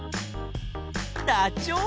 ダチョウ。